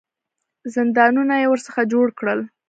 زندانونه یې ورڅخه جوړ کړل.